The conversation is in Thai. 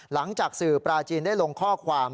หลังจากสื่อปลาจีนได้ลงข้อความ